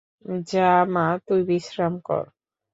যা মা, তুই বিশ্রাম কর।